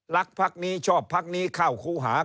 พักนี้ชอบพักนี้เข้าคู่หา